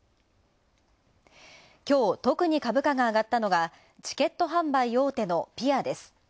きょう特に株価があがったのは、チケット販売大手のぴあです。